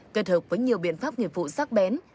kết hợp với nhiều biện pháp nghiệp vụ sát bén